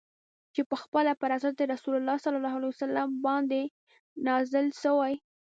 چي پخپله پر حضرت رسول ص باندي نازل سوی.